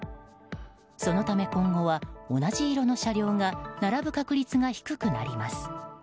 そのため今後は同じ色の車両が並ぶ確率が低くなります。